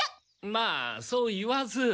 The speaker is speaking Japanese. まあそう言わず。